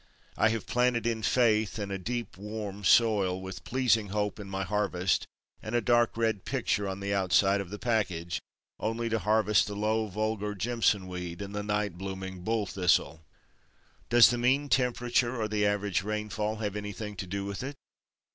I have planted in faith and a deep, warm soil, with pleasing hope in my heart and a dark red picture on the outside of the package, only to harvest the low, vulgar jimson weed and the night blooming bull thistle. Does the mean temperature or the average rainfall have anything to do with it?